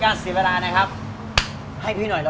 สำเร็จไหมครับผม